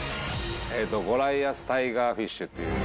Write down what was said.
ゴライアスタイガーフィッシュっていう。